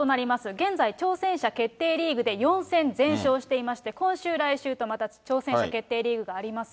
現在、挑戦者決定リーグで４戦全勝していまして、今週、来週とまた挑戦者決定リーグがあります。